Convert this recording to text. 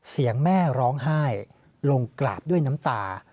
แม่ร้องไห้ลงกราบด้วยน้ำตา